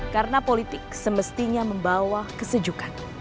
karena politik semestinya membawa kesejukan